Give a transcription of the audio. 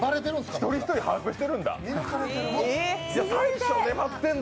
１人１人把握してるんだ。